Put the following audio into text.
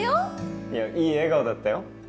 いやいい笑顔だったよ